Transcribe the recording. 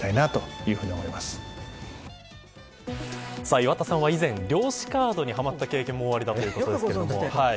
岩田さんは以前漁師カードにはまった経験もおありだということですけれども。